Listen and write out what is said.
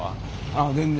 あっ全然。